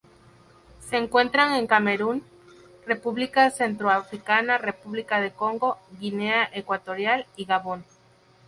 Se encuentran en Camerún, República Centroafricana, República del Congo, Guinea Ecuatorial y Gabón.